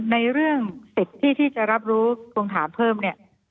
ในเรื่องสิทธิ์ที่ที่จะรับรู้ทวงถามเพิ่มเนี่ย